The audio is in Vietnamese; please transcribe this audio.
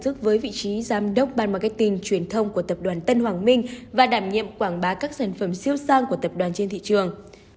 đỗ hoàng minh đảm nhiệm vị trí giám đốc ban marketing truyền thông của tập đoàn tân hoàng minh và đảm nhiệm quảng bá các sản phẩm siêu sang của tập đoàn trên thị trường